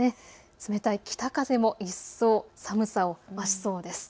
冷たい北風も一層、寒さを増しそうです。